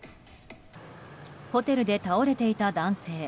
ホテルで倒れていた男性。